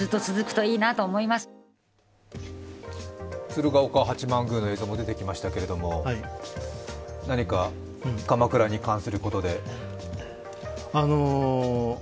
鶴岡八幡宮の映像も出てきましたけれども、何か鎌倉に関することで？